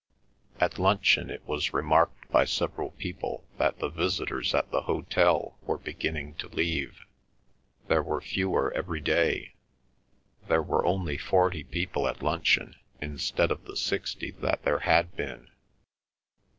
At luncheon it was remarked by several people that the visitors at the hotel were beginning to leave; there were fewer every day. There were only forty people at luncheon, instead of the sixty that there had been.